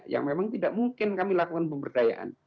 yang memang tidak mungkin kami lakukan pemberdayaan